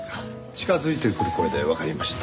近づいてくる声でわかりました。